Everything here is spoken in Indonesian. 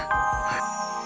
aku juga kesiangan